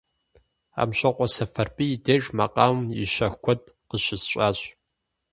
Амщокъуэ Сэфарбий и деж макъамэм и щэху куэд къыщысщӀащ.